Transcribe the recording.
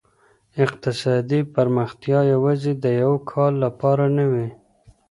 اقتصادي پرمختيا يوازي د يوه کال لپاره نه وي.